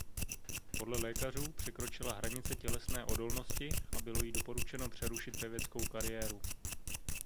Podle lékařů překročila hranice tělesné odolnosti a bylo jí doporučeno přerušit pěveckou kariéru.